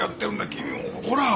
君もほら！